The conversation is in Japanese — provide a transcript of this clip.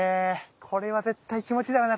これは絶対気持ちいいだろうな。